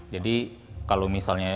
jadi kalau misalnya